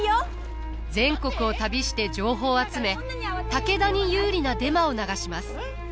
全国を旅して情報を集め武田に有利なデマを流します。